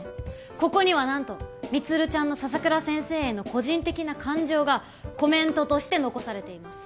ここにはなんと充ちゃんの笹倉先生への個人的な感情がコメントとして残されています。